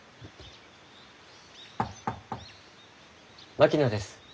槙野です。